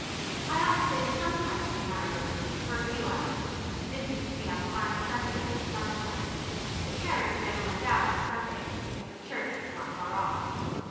I ought to say that sometimes we had our liberty for a few hours; this used to be on fine Sundays in the summer time. The carriage never went out on Sundays, because the church was not far off.